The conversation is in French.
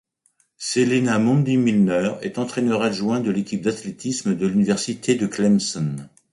Celena Mondie-Milner est entraineur adjoint de l'équipe d'athlétisme de l'Université de Clemson.